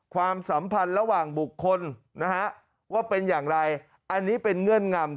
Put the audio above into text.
ความสัมพันธ์ระหว่างบุคคลนะฮะว่าเป็นอย่างไรอันนี้เป็นเงื่อนงำ